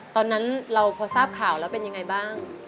ตอนนั้นเราพอทราบข่าวแล้วเป็นยังไงบ้าง